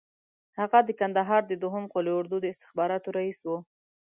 هغه د کندهار د دوهم قول اردو د استخباراتو رییس وو.